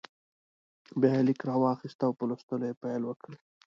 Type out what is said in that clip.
بیا یې لیک راواخیست او په لوستلو یې پیل وکړ.